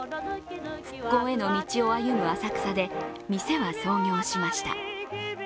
復興への道を歩む浅草で店は創業しました。